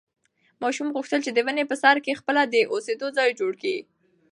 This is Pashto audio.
ماشوم غوښتل چې د ونې په سر کې خپله د اوسېدو ځای جوړ کړي.